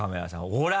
ほら！